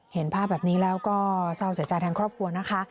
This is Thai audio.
เห็นภาพแบบนี้แล้วก็เศร้าเสียใจแทนครอบครัวนะคะ